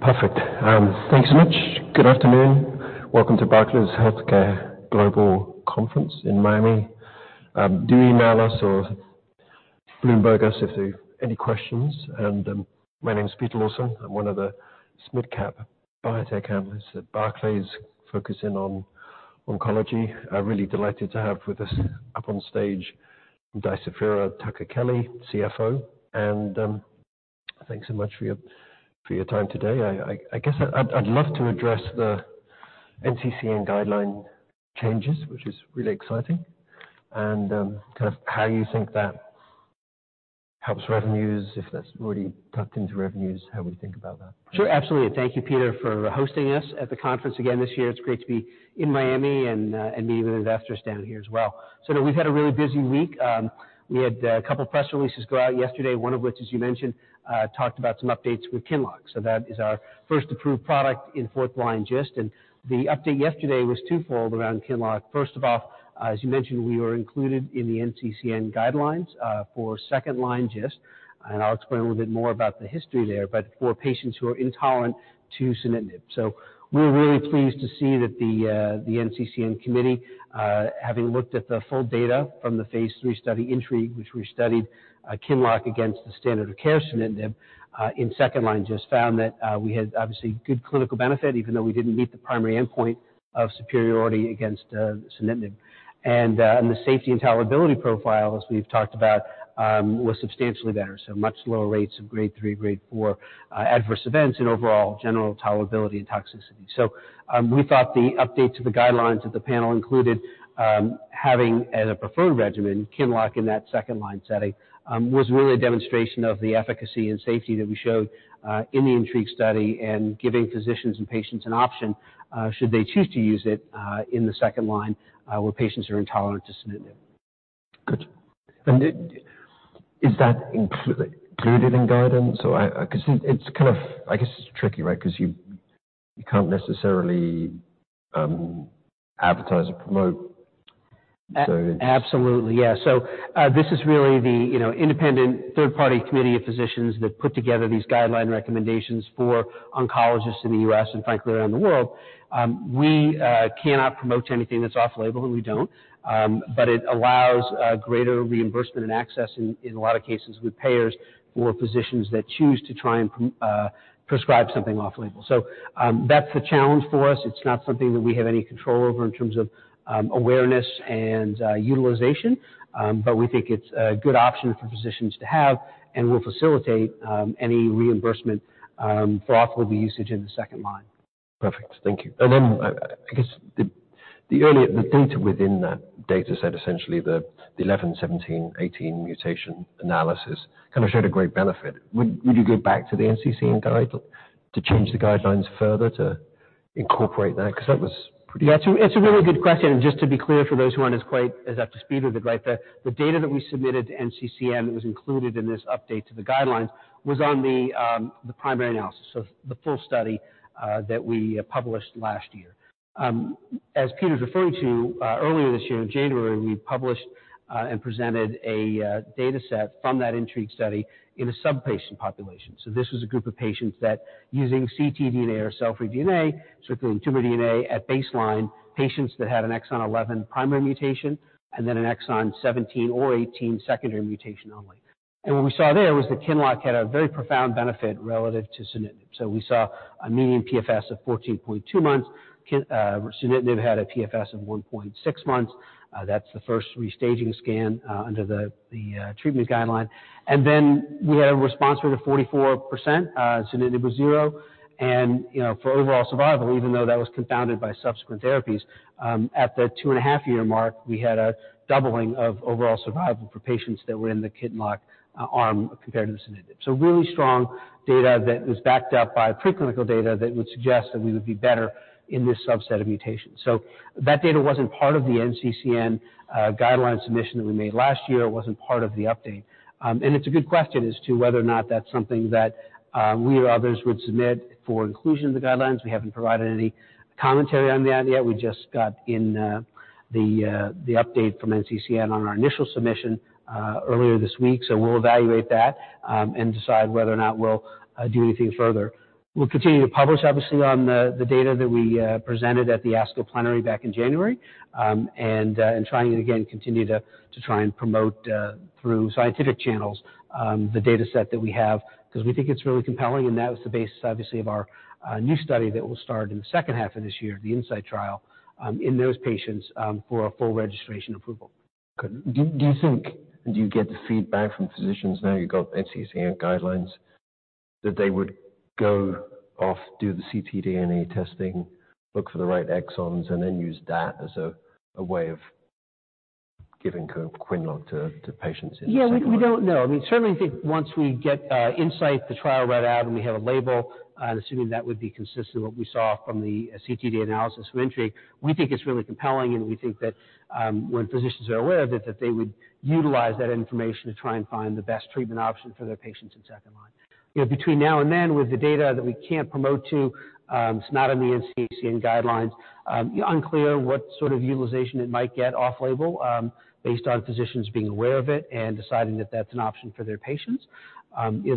Perfect. Thanks so much. Good afternoon. Welcome to Barclays Healthcare Global Conference in Miami. Do email us or Bloomberg us if you've any questions. My name is Peter Lawson. I'm one of the mid-cap biotech analysts at Barclays, focusing on oncology. I'm really delighted to have with us up on stage, Deciphera Tucker-Kelly, CFO. Thanks so much for your time today. I guess I'd love to address the NCCN guideline changes, which is really exciting, and kind of how you think that helps revenues, if that's already tucked into revenues, how we think about that. Sure. Absolutely. Thank you, Peter, for hosting us at the conference again this year. It's great to be in Miami and meeting with investors down here as well. We've had a really busy week. We had a couple of press releases go out yesterday, one of which, as you mentioned, talked about some updates with QINLOCK. That is our first approved product in fourth line GIST. The update yesterday was twofold around QINLOCK. First of all, as you mentioned, we were included in the NCCN guidelines for second line GIST. I'll explain a little bit more about the history there, but for patients who are intolerant to sunitinib. We're really pleased to see that the NCCN committee having looked at the full data from the phase III study INTRIGUE, which we studied QINLOCK against the standard of care sunitinib in second line, just found that we had obviously good clinical benefit, even though we didn't meet the primary endpoint of superiority against sunitinib. The safety and tolerability profile, as we've talked about, was substantially better. Much lower rates of grade three, grade four adverse events in overall general tolerability and toxicity. We thought the update to the guidelines that the panel included, having as a preferred regimen, QINLOCK in that second line setting, was really a demonstration of the efficacy and safety that we showed in the INTRIGUE study and giving physicians and patients an option, should they choose to use it in the second line, where patients are intolerant to sunitinib. Good. Is that included in guidance? 'Cause it's kind of I guess it's tricky, right? 'Cause you can't necessarily advertise or promote, so. Absolutely. Yeah. This is really the, you know, independent third-party committee of physicians that put together these guideline recommendations for oncologists in the U.S. and frankly, around the world. We cannot promote anything that's off-label, and we don't. It allows greater reimbursement and access in a lot of cases with payers for physicians that choose to try and prescribe something off-label. That's the challenge for us. It's not something that we have any control over in terms of awareness and utilization. We think it's a good option for physicians to have, and we'll facilitate any reimbursement for off-label usage in the second line. Perfect. Thank you. I guess the data within that data set, essentially the 11, 17, 18 mutation analysis kind of showed a great benefit. Would you go back to the NCCN Guide to change the guidelines further to incorporate that? 'Cause that was pretty- Yeah. It's a really good question. Just to be clear, for those who aren't as quite as up to speed with it, right? The data that we submitted to NCCN that was included in this update to the guidelines was on the primary analysis of the full study that we published last year. As Peter's referring to, earlier this year in January, we published and presented a data set from that INTRIGUE study in a sub-patient population. This was a group of patients that using ctDNA or cell-free DNA, circulating tumor DNA at baseline, patients that had an exon 11 primary mutation and then an exon 17 or 18 secondary mutation only. What we saw there was that QINLOCK had a very profound benefit relative to sunitinib. We saw a median PFS of 14.2 months. Sunitinib had a PFS of 1.6 months. That's the first restaging scan under the treatment guideline. We had a response rate of 44%. Sunitinib was 0. You know, for overall survival, even though that was confounded by subsequent therapies, at the two and a half year mark, we had a doubling of overall survival for patients that were in the QINLOCK arm compared to the sunitinib. Really strong data that was backed up by preclinical data that would suggest that we would be better in this subset of mutations. That data wasn't part of the NCCN guideline submission that we made last year. It wasn't part of the update. It's a good question as to whether or not that's something that we or others would submit for inclusion in the guidelines. We haven't provided any commentary on that yet. We just got in the update from NCCN on our initial submission earlier this week. We'll evaluate that and decide whether or not we'll do anything further. We'll continue to publish, obviously, on the data that we presented at the ASCO plenary back in January. Continue to try and promote through scientific channels the data set that we have because we think it's really compelling and that was the basis obviously of our new study that will start in the second half of this year, the INSIGHT trial, in those patients for a full registration approval. Good. Do you think, do you get the feedback from physicians now you've got NCCN guidelines that they would go off, do the ctDNA testing, look for the right exons and then use that as a way of giving QINLOCK to patients in the second line? Yeah. We don't know. I mean, certainly I think once we get INSIGHT, the trial read out and we have a label, assuming that would be consistent with what we saw from the ctDNA analysis from INTRIGUE, we think it's really compelling, and we think that when physicians are aware of it, that they would utilize that information to try and find the best treatment option for their patients in second line. You know, between now and then with the data that we can't promote to, it's not in the NCCN guidelines, unclear what sort of utilization it might get off-label, based on physicians being aware of it and deciding that that's an option for their patients.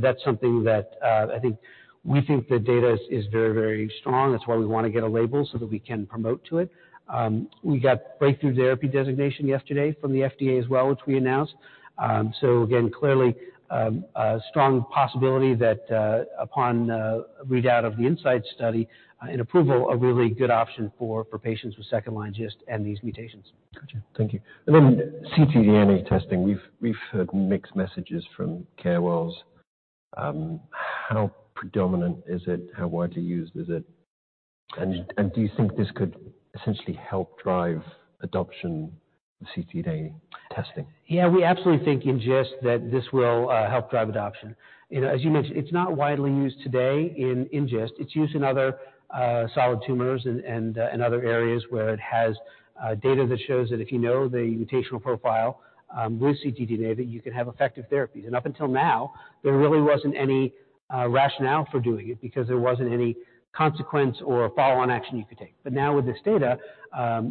That's something that I think we think the data is very, very strong. That's why we want to get a label so that we can promote to it. We got Breakthrough Therapy designation yesterday from the FDA as well, which we announced. So again, clearly, a strong possibility that upon readout of the INSIGHT study and approval, a really good option for patients with second-line GIST and these mutations. Got you. Thank you. ctDNA testing. We've heard mixed messages from care worlds. How predominant is it? How widely used is it? Do you think this could essentially help drive adoption of ctDNA testing? Yeah, we absolutely think in GIST that this will help drive adoption. You know, as you mentioned, it's not widely used today in GIST. It's used in other solid tumors and other areas where it has data that shows that if you know the mutational profile with ctDNA, that you can have effective therapies. Up until now, there really wasn't any rationale for doing it because there wasn't any consequence or follow-on action you could take. Now with this data,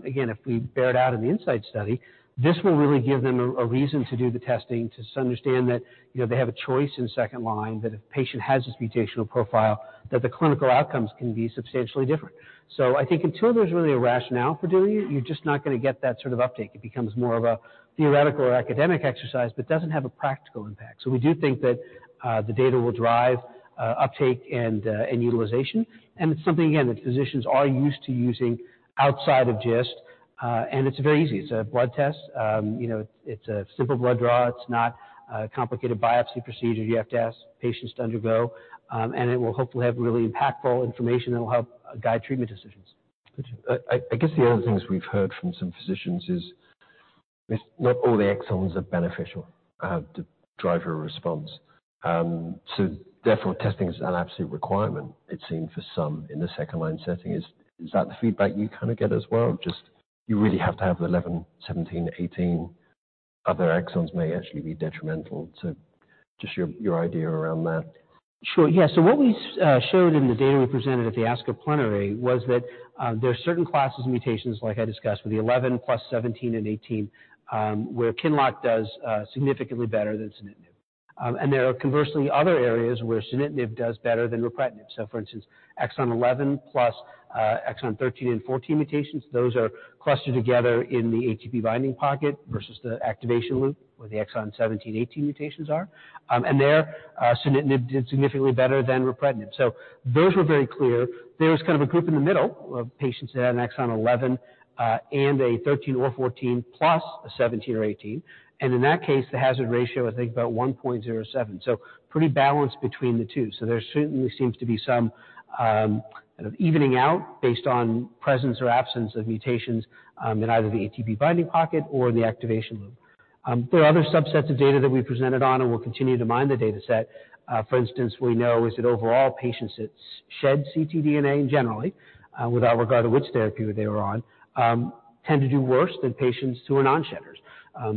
again, if we bear it out in the INSIGHT study, this will really give them a reason to do the testing, to understand that, you know, they have a choice in second line, that if a patient has this mutational profile, that the clinical outcomes can be substantially different. I think until there's really a rationale for doing it, you're just not gonna get that sort of uptake. It becomes more of a theoretical or academic exercise, but doesn't have a practical impact. We do think that the data will drive uptake and utilization. It's something, again, that physicians are used to using outside of GIST, and it's very easy. It's a blood test, you know, it's a simple blood draw. It's not a complicated biopsy procedure you have to ask patients to undergo, and it will hopefully have really impactful information that will help guide treatment decisions. Got you. I guess the other things we've heard from some physicians is not all the exons are beneficial to drive a response. Therefore, testing is an absolute requirement, it seemed for some in the second line setting. Is that the feedback you kind of get as well? Just you really have to have 11, 17, 18. Other exons may actually be detrimental. Just your idea around that. Sure. Yeah. What we showed in the data we presented at the ASCO plenary was that there are certain classes of mutations, like I discussed, with the 11 plus 17 and 18, where QINLOCK does significantly better than sunitinib. There are conversely other areas where sunitinib does better than ripretinib. For instance, exon 11 plus exon 13 and 14 mutations, those are clustered together in the ATP binding pocket versus the activation loop where the exon 17, 18 mutations are. There sunitinib did significantly better than ripretinib. Those were very clear. There's kind of a group in the middle of patients that had an exon 11 and a 13 or 14 plus a 17 or 18. In that case, the hazard ratio, I think, about 1.07. Pretty balanced between the two. There certainly seems to be some evening out based on presence or absence of mutations in either the ATP binding pocket or the activation loop. There are other subsets of data that we presented on and we'll continue to mine the dataset. For instance, we know is that overall patients that shed ctDNA in generally, without regard to which therapy they were on, tend to do worse than patients who are non-shedders.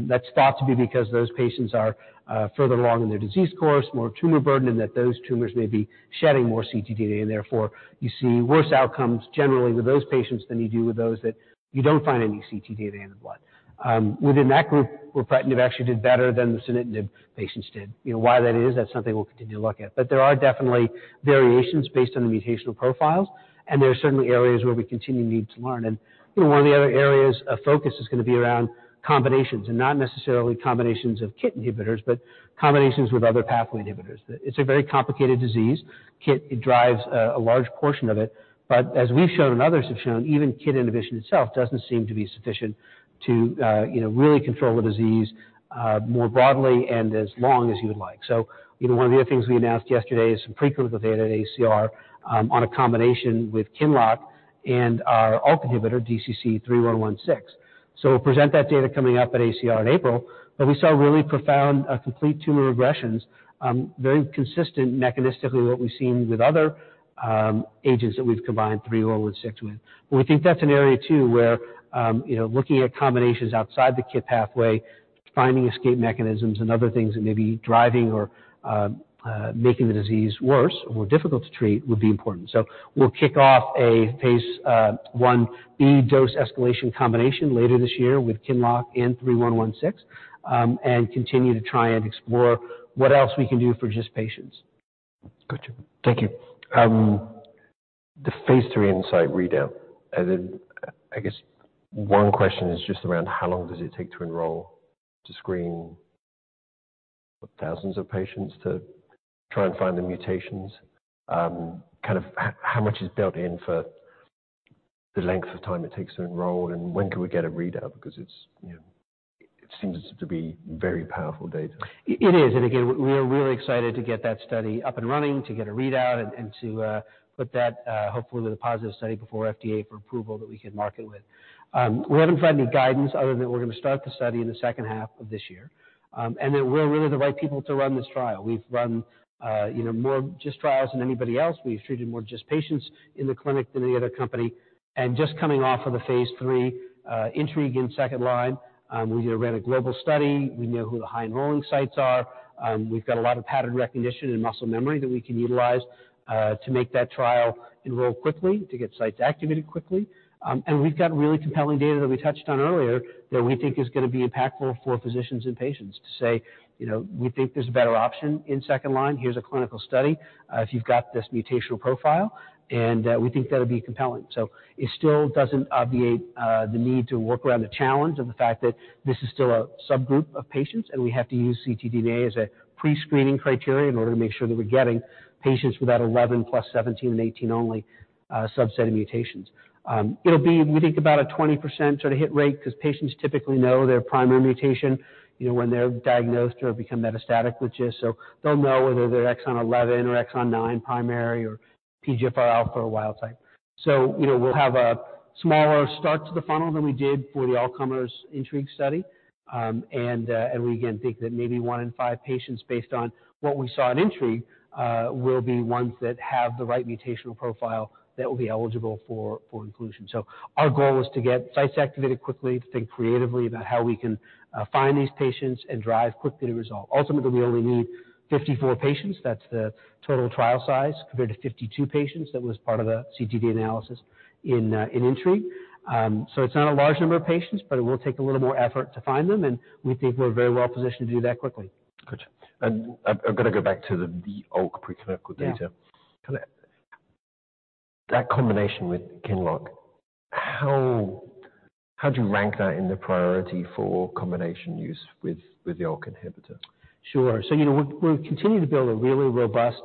That's thought to be because those patients are further along in their disease course, more tumor burden, and that those tumors may be shedding more ctDNA, and therefore, you see worse outcomes generally with those patients than you do with those that you don't find any ctDNA in the blood. Within that group, ripretinib actually did better than the sunitinib patients did. You know why that is? That's something we'll continue to look at. There are definitely variations based on the mutational profiles, and there are certainly areas where we continue to need to learn. You know, one of the other areas of focus is gonna be around combinations, and not necessarily combinations of KIT inhibitors, but combinations with other pathway inhibitors. It's a very complicated disease. KIT, it drives a large portion of it. As we've shown and others have shown, even KIT inhibition itself doesn't seem to be sufficient to, you know, really control the disease more broadly and as long as you would like. You know, one of the other things we announced yesterday is some preclinical data at AACR on a combination with QINLOCK and our ULK inhibitor, DCC-3116. We'll present that data coming up at AACR in April, but we saw really profound complete tumor regressions, very consistent mechanistically what we've seen with other agents that we've combined 3116 with. We think that's an area too where, you know, looking at combinations outside the KIT pathway, finding escape mechanisms and other things that may be driving or making the disease worse or difficult to treat would be important. We'll kick off a phase I-B dose escalation combination later this year with QINLOCK and 3116 and continue to try and explore what else we can do for GIST patients. Gotcha. Thank you. The phase III INSIGHT readout, and then I guess one question is just around how long does it take to enroll, to screen thousands of patients to try and find the mutations? Kind of how much is built in forThe length of time it takes to enroll and when can we get a readout because it's, you know, it seems to be very powerful data. It is. Again, we are really excited to get that study up and running, to get a readout and to put that hopefully with a positive study before FDA for approval that we can market with. We haven't provided any guidance other than we're gonna start the study in the second half of this year, and that we're really the right people to run this trial. We've run, you know, more GIST trials than anybody else. We've treated more GIST patients in the clinic than any other company. Just coming off of the phase III INTRIGUE in second line, we ran a global study. We know who the high enrolling sites are. We've got a lot of pattern recognition and muscle memory that we can utilize to make that trial enroll quickly, to get sites activated quickly. We've got really compelling data that we touched on earlier that we think is gonna be impactful for physicians and patients to say, you know, "We think there's a better option in second line. Here's a clinical study, if you've got this mutational profile," and we think that'll be compelling. It still doesn't obviate the need to work around the challenge and the fact that this is still a subgroup of patients, and we have to use ctDNA as a pre-screening criteria in order to make sure that we're getting patients with that 11 plus 17 and 18 only, subset of mutations. It'll be, we think, about a 20% sort of hit rate because patients typically know their primary mutation, you know, when they're diagnosed or become metastatic with GIST. They'll know whether they're exon 11 or exon 9 primary or PDGFRA wild type. You know, we'll have a smaller start to the funnel than we did for the all-comers INTRIGUE study. We again think that maybe 1 in 5 patients, based on what we saw in INTRIGUE, will be ones that have the right mutational profile that will be eligible for inclusion. Our goal is to get sites activated quickly, to think creatively about how we can find these patients and drive quickly to resolve. Ultimately, we only need 54 patients. That's the total trial size compared to 52 patients that was part of the ctDNA analysis in INTRIGUE. It's not a large number of patients, but it will take a little more effort to find them, and we think we're very well positioned to do that quickly. Gotcha. I've got to go back to the ULK preclinical data. Yeah. That combination with QINLOCK, how do you rank that in the priority for combination use with the ULK inhibitor? Sure. You know, we're continuing to build a really robust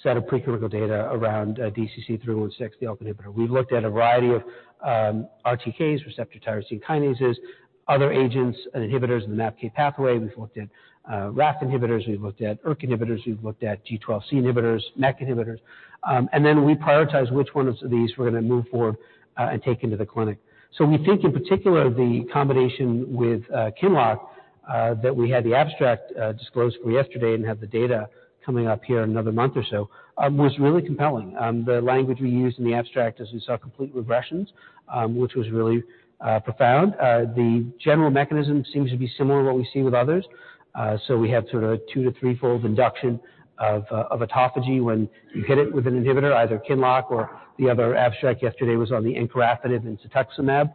set of preclinical data around DCC-3116, the ULK inhibitor. We've looked at a variety of RTKs, receptor tyrosine kinases, other agents and inhibitors in the MAPK pathway. We've looked at RAF inhibitors, we've looked at ERK inhibitors, we've looked at G12C inhibitors, MEK inhibitors. We prioritize which one of these we're gonna move forward and take into the clinic. We think in particular, the combination with QINLOCK, that we had the abstract disclosed for yesterday and have the data coming up here in another month or so, was really compelling. The language we used in the abstract is we saw complete regressions, which was really profound. The general mechanism seems to be similar to what we see with others. We have sort of 2- to 3-fold induction of autophagy when you hit it with an inhibitor, either QINLOCK or the other abstract yesterday was on the encorafenib and cetuximab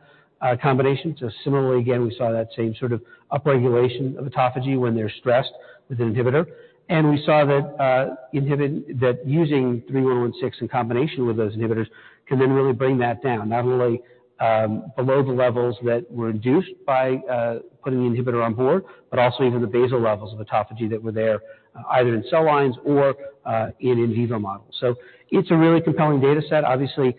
combination. Similarly, again, we saw that same sort of upregulation of autophagy when they're stressed with an inhibitor. We saw that using DCC-3116 in combination with those inhibitors can then really bring that down, not only below the levels that were induced by putting the inhibitor on board, but also even the basal levels of autophagy that were there, either in cell lines or in in vivo models. It's a really compelling data set. Obviously,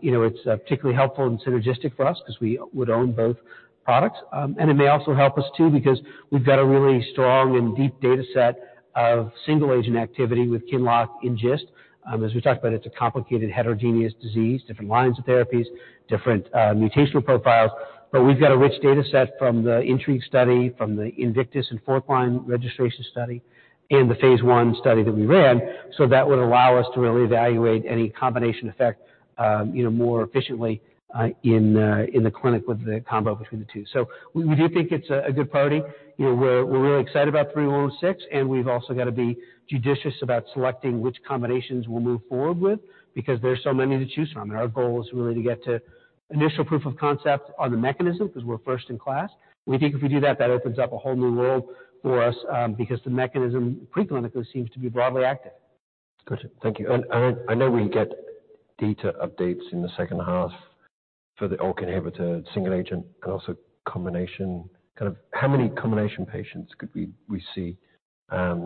you know, it's particularly helpful and synergistic for us because we would own both products. It may also help us too because we've got a really strong and deep data set of single agent activity with QINLOCK in GIST. As we talked about, it's a complicated heterogeneous disease, different lines of therapies, different mutational profiles. We've got a rich data set from the INTRIGUE study, from the INVICTUS and fourth line registration study, and the phase I study that we ran. That would allow us to really evaluate any combination effect, you know, more efficiently in the clinic with the combo between the two. We, we do think it's a good priority. You know, we're really excited about DCC-3116, and we've also got to be judicious about selecting which combinations we'll move forward with because there's so many to choose from. Our goal is really to get to initial proof of concept on the mechanism because we're first in class. We think if we do that opens up a whole new world for us, because the mechanism preclinically seems to be broadly active. Gotcha. Thank you. I know we get data updates in the second half for the ULK inhibitor single agent and also combination. Kind of how many combination patients could we see? You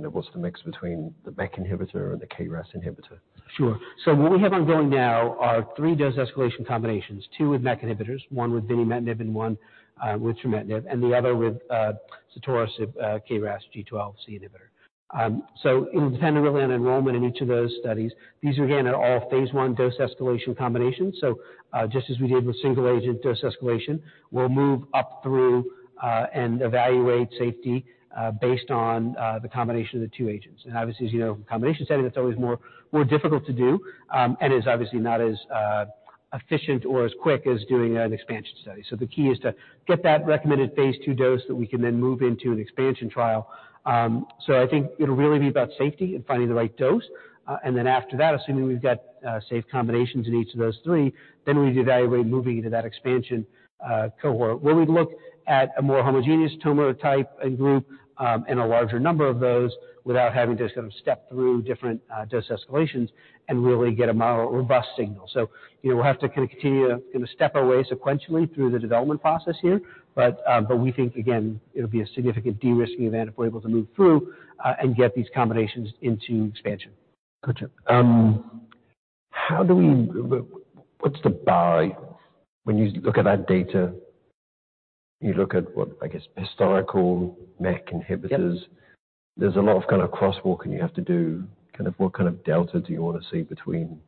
know, what's the mix between the MEK inhibitor and the KRAS inhibitor? Sure. What we have ongoing now are three dose escalation combinations, two with MEK inhibitors, one with binimetinib and one with trametinib, and the other with sotorasib, KRAS G12C inhibitor. It'll depend really on enrollment in each of those studies. These, again, are all phase I dose escalation combinations. Just as we did with single agent dose escalation, we'll move up through and evaluate safety based on the combination of the two agents. Obviously, as you know, combination setting, that's always more difficult to do, and is obviously not as efficient or as quick as doing an expansion study. The key is to get that recommended phase II dose that we can then move into an expansion trial. I think it'll really be about safety and finding the right dose. After that, assuming we've got safe combinations in each of those three, then we'd evaluate moving into that expansion cohort, where we'd look at a more homogeneous tumor type and group, and a larger number of those without having to kind of step through different dose escalations and really get a more robust signal. You know, we'll have to kind of continue, gonna step our way sequentially through the development process here. We think again, it'll be a significant de-risking event if we're able to move through and get these combinations into expansion. Gotcha. What's the bar when you look at that data. You look at what, I guess, historical MEK inhibitors? Yep. There's a lot of kind of crosswalking you have to do. Kind of what kind of delta do you want to see between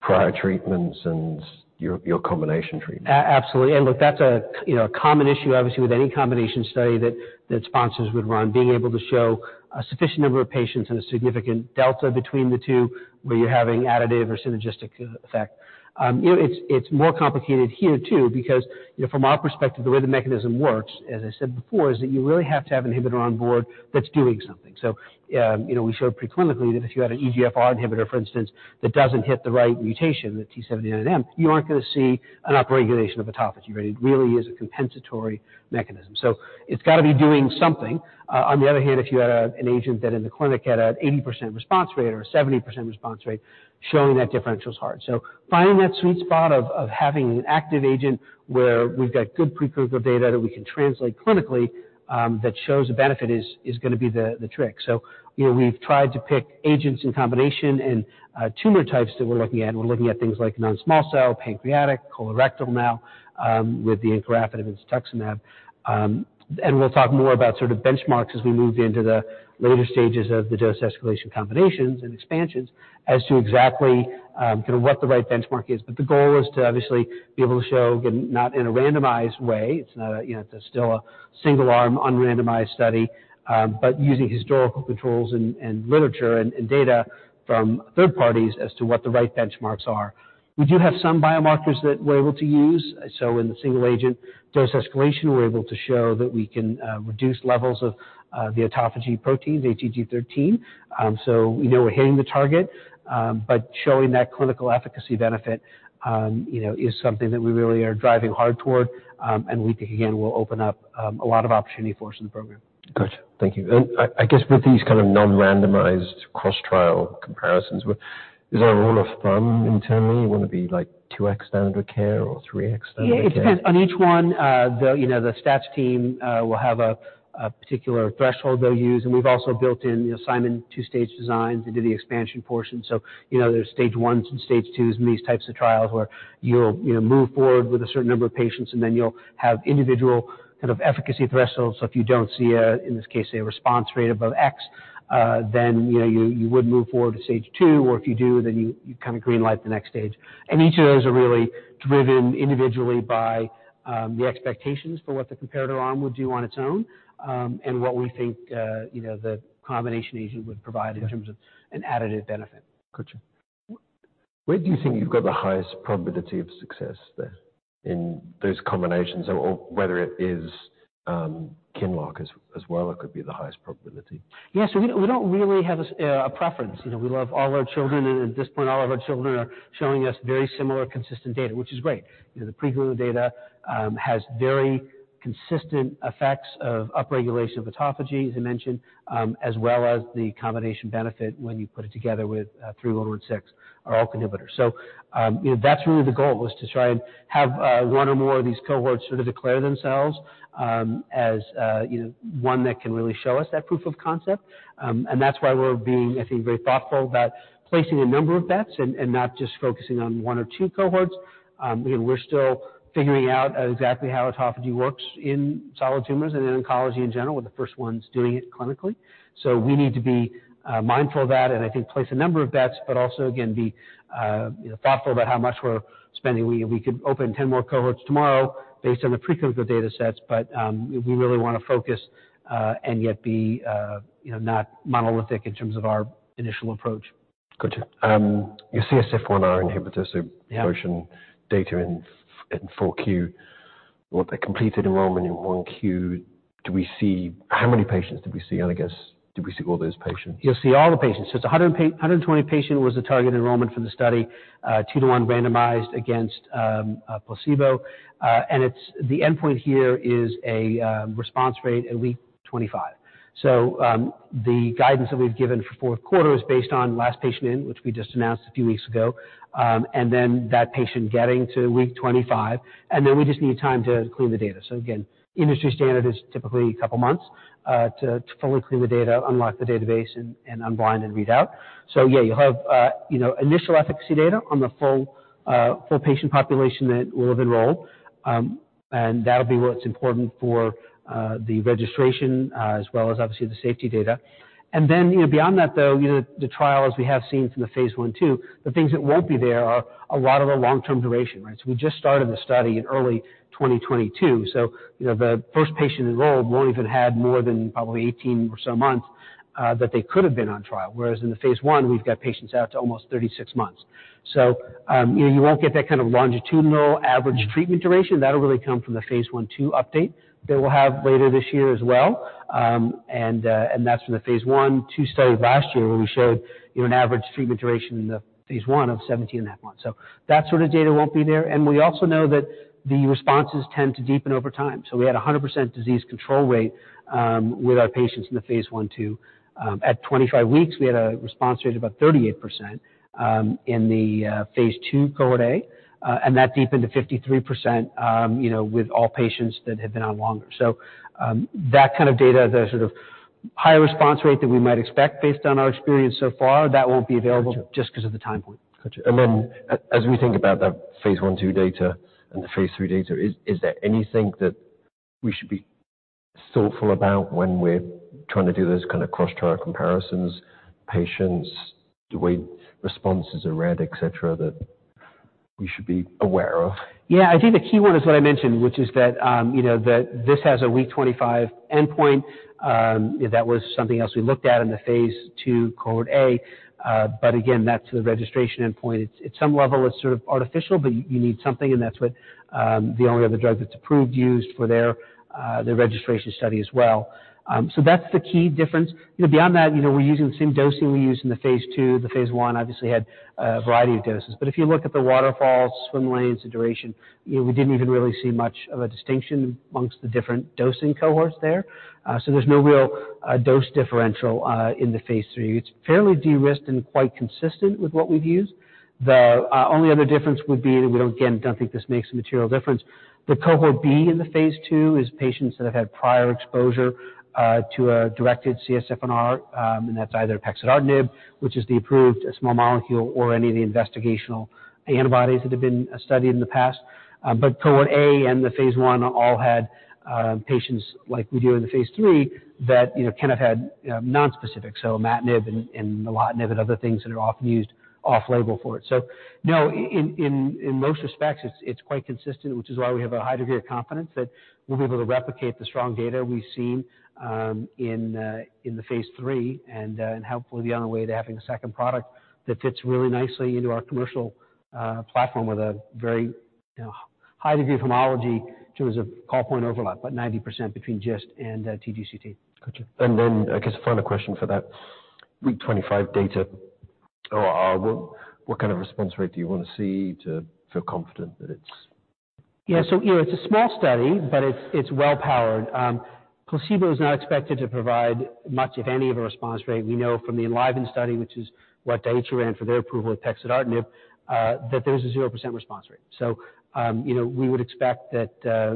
prior treatments and your combination treatment? Absolutely. Look, that's a, you know, a common issue, obviously, with any combination study that sponsors would run, being able to show a sufficient number of patients and a significant delta between the two where you're having additive or synergistic effect. You know, it's more complicated here too because, you know, from our perspective, the way the mechanism works, as I said before, is that you really have to have inhibitor on board that's doing something. You know, we showed pre-clinically that if you had an EGFR inhibitor, for instance, that doesn't hit the right mutation, the T790M, you aren't gonna see an upregulation of autophagy. Right? It really is a compensatory mechanism. It's gotta be doing something. On the other hand, if you had a, an agent that in the clinic had a 80% response rate or a 70% response rate, showing that differential's hard. Finding that sweet spot of having an active agent where we've got good preclinical data that we can translate clinically, that shows a benefit is gonna be the trick. You know, we've tried to pick agents in combination and tumor types that we're looking at. We're looking at things like non-small cell, pancreatic, colorectal now, with the encorafenib and cetuximab. We'll talk more about sort of benchmarks as we move into the later stages of the dose escalation combinations and expansions as to exactly, kinda what the right benchmark is. The goal is to obviously be able to show, again, not in a randomized way. It's not a, you know, it's still a single arm, unrandomized study, but using historical controls and literature and data from third parties as to what the right benchmarks are. We do have some biomarkers that we're able to use. In the single agent dose escalation, we're able to show that we can reduce levels of the autophagy proteins, ATG13. We know we're hitting the target, but showing that clinical efficacy benefit, you know, is something that we really are driving hard toward, and we think again will open up a lot of opportunity for us in the program. Gotcha. Thank you. I guess with these kind of non-randomized cross-trial comparisons, is there a rule of thumb internally? You wanna be like 2X standard care or 3X standard care? Yeah, it depends. On each one, you know, the stats team will have a particular threshold they'll use, and we've also built in, you know, Simon two-stage design into the expansion portion. You know, there's stage ones and stage twos in these types of trials where you'll, you know, move forward with a certain number of patients, and then you'll have individual kind of efficacy thresholds. If you don't see a, in this case, say a response rate above X, then, you know, you would move forward to stage two, or if you do, then you kind of green light the next stage. Each of those are really driven individually by the expectations for what the comparator arm would do on its own, and what we think, you know, the combination agent would provide. Gotcha. In terms of an additive benefit. Gotcha. Where do you think you've got the highest probability of success there in those combinations or whether it is, QINLOCK as well, it could be the highest probability? Yeah. We don't really have a preference. You know, we love all our children, and at this point, all of our children are showing us very similar consistent data, which is great. You know, the preclinical data has very consistent effects of upregulation of autophagy, as I mentioned, as well as the combination benefit when you put it together with 3116 are all inhibitors. You know, that's really the goal was to try and have one or more of these cohorts sort of declare themselves, as, you know, one that can really show us that proof of concept. That's why we're being, I think, very thoughtful about placing a number of bets and not just focusing on one or two cohorts. Again, we're still figuring out exactly how autophagy works in solid tumors and in oncology in general. We're the first ones doing it clinically. We need to be mindful of that and I think place a number of bets, but also again be, you know, thoughtful about how much we're spending. We could open 10 more cohorts tomorrow based on the preclinical data sets, but we really wanna focus and yet be, you know, not monolithic in terms of our initial approach. Gotcha. Your CSF1R. Yeah. version data in 4Q. What the completed enrollment in 1Q, do we see? How many patients do we see? I guess, do we see all those patients? You'll see all the patients. It's a 120 patient was the target enrollment for the study, two to one randomized against a placebo. The endpoint here is a response rate at week 25. The guidance that we've given for fourth quarter is based on last patient in, which we just announced a few weeks ago, and then that patient getting to week 25, and then we just need time to clean the data. Again, industry standard is typically two months to fully clean the data, unlock the database and unblind and read out. Yeah, you'll have, you know, initial efficacy data on the full patient population that will have enrolled. That'll be what's important for the registration, as well as obviously the safety data. You know, beyond that though, you know, the trial as we have seen from the phase I/II, the things that won't be there are a lot of the long-term duration, right? We just started the study in early 2022, you know, the first patient enrolled won't even had more than probably 18 or so months that they could have been on trial. Whereas in the phase I, we've got patients out to almost 36 months. You know, you won't get that kind of longitudinal average treatment duration. That'll really come from the phase I/II update that we'll have later this year as well. That's from the phase I/II study last year where we showed, you know, an average treatment duration in the phase I of 17.5 months. That sort of data won't be there. We also know that the responses tend to deepen over time. We had a 100% disease control rate with our patients in the phase I/II. At 25 weeks, we had a response rate of about 38% in the phase II cohort A, and that deepened to 53%, you know, with all patients that had been on longer. That kind of data, the sort of higher response rate than we might expect based on our experience so far. That won't be available just 'cause of the time point. Gotcha. Then as we think about that phase I/II data and the phase III data, is there anything that we should be thoughtful about when we're trying to do those kind of cross-trial comparisons, patients, the way responses are read, et cetera, that we should be aware of? Yeah. I think the key one is what I mentioned, which is that, you know, that this has a week 25 endpoint. That was something else we looked at in the phase II cohort A, but again, that's the registration endpoint. At some level, it's sort of artificial, but you need something, and that's what the only other drug that's approved used for their registration study as well. That's the key difference. You know, beyond that, you know, we're using the same dosing we used in the phase II. The phase I obviously had a variety of doses. If you look at the waterfalls, swim lanes, the duration, you know, we didn't even really see much of a distinction amongst the different dosing cohorts there. There's no real dose differential in the phase III. It's fairly de-risked and quite consistent with what we've used. The only other difference would be, and we don't, again, don't think this makes a material difference, the cohort B in the phase II is patients that have had prior exposure to a directed CSF1R, and that's either pexidartinib, which is the approved small molecule or any of the investigational antibodies that have been studied in the past. Cohort A and the phase I all had patients like we do in the phase III that, you know, kind of had nonspecific, so imatinib and nilotinib and other things that are often used off-label for it. No, in most respects, it's quite consistent, which is why we have a high degree of confidence that we'll be able to replicate the strong data we've seen in the phase III and hopefully be on our way to having a second product that fits really nicely into our commercial platform with a very, you know, high degree of homology in terms of call point overlap, about 90% between GIST and TGCT. Gotcha. I guess a final question for that week 25 data. What kind of response rate do you want to see to feel confident that it's... Yeah. You know, it's a small study, but it's well powered. Placebo is not expected to provide much, if a ny, of a response rate. We know from the ENLIVEN study, which is what Daiichi ran for their approval of pexidartinib, that there's a 0% response rate. You know, we would expect that,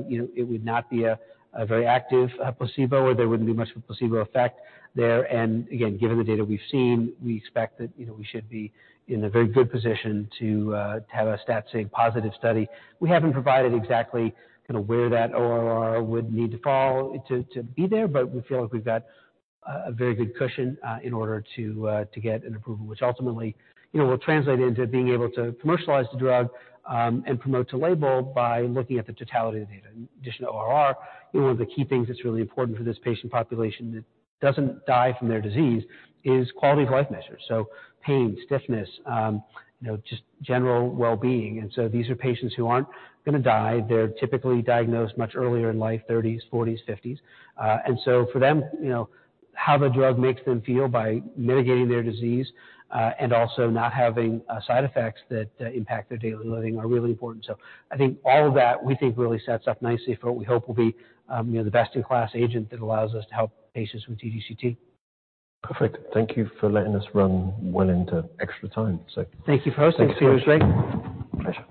you know, it would not be a very active, placebo, or there wouldn't be much of a placebo effect there. Again, given the data we've seen, we expect that, you know, we should be in a very good position to have a stat saying positive study. We haven't provided exactly kind of where that ORR would need to fall to be there, but we feel like we've got a very good cushion in order to get an approval, which ultimately, you know, will translate into being able to commercialize the drug, and promote to label by looking at the totality of the data. In addition to ORR, one of the key things that's really important for this patient population that doesn't die from their disease is quality of life measures. Pain, stiffness, you know, just general well-being. These are patients who aren't gonna die. They're typically diagnosed much earlier in life, thirties, forties, fifties. For them, you know, how the drug makes them feel by mitigating their disease, and also not having side effects that impact their daily living are really important. I think all of that, we think really sets up nicely for what we hope will be, you know, the best-in-class agent that allows us to help patients with TGCT. Perfect. Thank you for letting us run well into extra time, so. Thank you for hosting. See you shortly. Pleasure. Thanks.